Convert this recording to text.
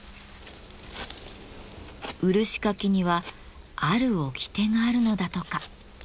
漆かきにはある掟があるのだとか。